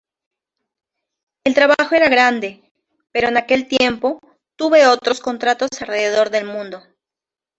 El trabajo era grande, pero en aquel tiempo, tuve otros contratos alrededor del mundo.